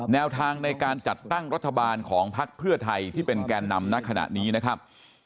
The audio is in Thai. แนวทางในการจัดตั้งรัฐบาลของพักเพื่อไทยที่เป็นแก่นำณขณะนี้นะครับ